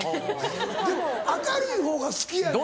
でも明るいほうが好きやねん俺。